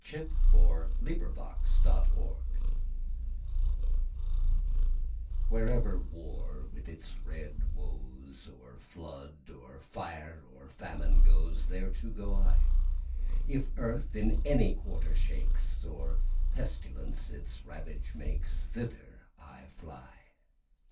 John Finley The Red Cross Spirit Speaks WHEREVER war, with its red woes, Or flood, or fire, or famine goes, There, too, go I;If earth in any quarter quakesOr pestilence its ravage makes, Thither I fly.